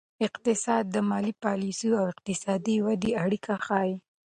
اقتصاد د مالي پالیسیو او اقتصادي ودې اړیکه ښيي.